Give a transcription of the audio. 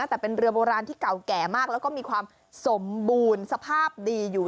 แต่เป็นเรือโบราณที่เก่าแก่มากแล้วก็มีความสมบูรณ์สภาพดีอยู่